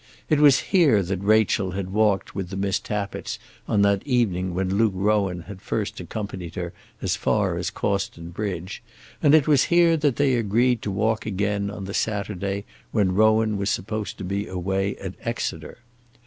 It was here that Rachel had walked with the Miss Tappitts on that evening when Luke Rowan had first accompanied her as far as Cawston bridge, and it was here that they agreed to walk again on the Saturday when Rowan was supposed to be away at Exeter.